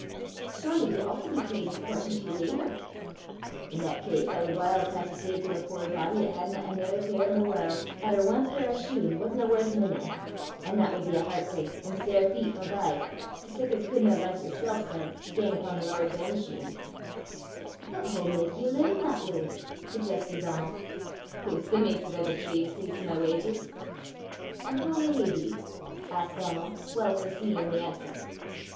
"Surely ye oucht to be paid in proportion to your labour." "I' that case I wad whiles hae to say til a puir body 'at hadna anither pair i' the warl', 'at her ae pair o' shune wasna worth men'in'; an' that wad be a hert brak, an' sair feet forby, to sic as couldna, like yersel', sir, gang upo' the Lord's ain shune." "But hoo mak ye a livin' that w'y?" suggested Donal. "Hoots, the maister o' the trade sees to my wauges!" "An' wha may he be?" asked Donal, well foreseeing the answer.